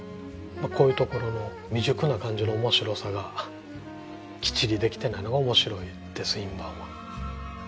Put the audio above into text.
こういうところの未熟な感じの面白さがきっちりできてないのが面白いです印判は。